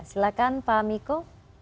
silahkan pak miko